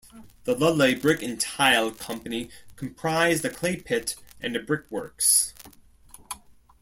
The Ludlay Brick and Tile Company comprised a clay pit and a brick-works.